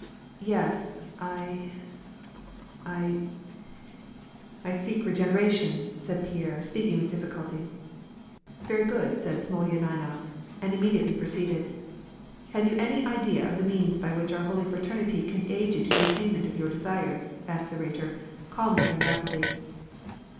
"Yes, I — I — I seek regeneration," said Pierre, speaking with difficulty. "Very good," said Smolyaninof, and immediately pro ceeded,— " Have you any idea of the means by which our Holy Fra ternity can aid you to the attainment of your desires ?" asked the Rhetor, calmly and rapidly.